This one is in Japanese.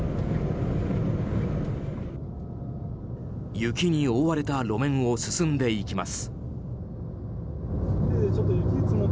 雪に覆われた路面を進んでいきます。